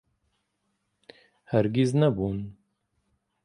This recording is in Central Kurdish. هەرگیز نەبوون.